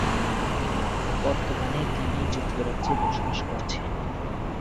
বর্তমানে তিনি যুক্তরাজ্যে বসবাস করছেন।